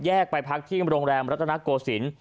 ไปพักที่โรงแรมรัฐนาโกศิลป์